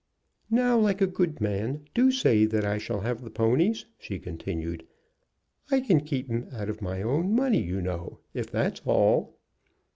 "Now, like a good man, do say that I shall have the ponies," she continued. "I can keep 'em out of my own money, you know, if that's all."